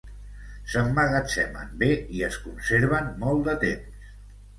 S'emmagatzemen bé i es conserven molt de temps.